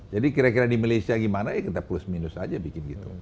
jadi kira kira di malaysia gimana ya kita plus minus aja bikin gitu